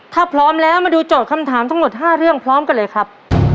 ถ้าพร้อมแล้วมาดูโจทย์คำถามทั้งหมด๕เรื่องพร้อมกันเลยครับ